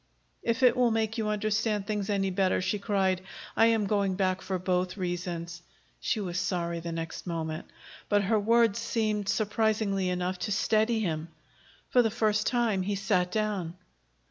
"If it will make you understand things any better," she cried, "I am going back for both reasons!" She was sorry the next moment. But her words seemed, surprisingly enough, to steady him. For the first time, he sat down.